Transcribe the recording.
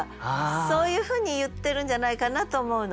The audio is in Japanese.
そういうふうに言ってるんじゃないかなと思うの。